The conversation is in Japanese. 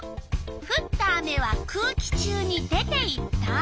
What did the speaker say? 「ふった雨は空気中に出ていった」。